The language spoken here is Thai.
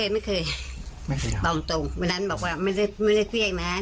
ไม่เคยบอกตรงวันนั้นบอกว่าไม่ได้เฟี้ยงนะ